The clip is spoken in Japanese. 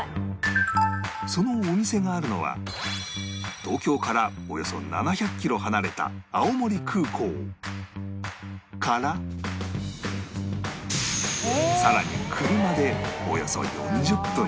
そのお店があるのは東京からおよそ７００キロ離れた青森空港からさらにえーっ！